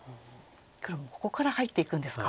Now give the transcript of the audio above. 黒もここから入っていくんですか。